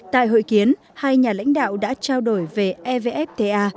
tại hội kiến hai nhà lãnh đạo đã trao đổi về evfta